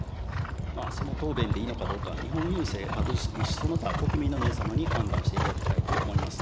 その答弁でいいのかどうか、日本郵政株式会社、その他国民の皆様に判断していただきたいと思います。